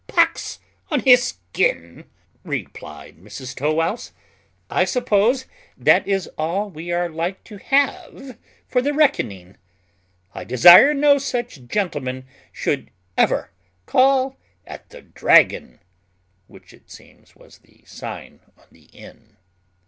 "Pox on his skin!" replied Mrs Tow wouse, "I suppose that is all we are like to have for the reckoning. I desire no such gentlemen should ever call at the Dragon" (which it seems was the sign of the inn).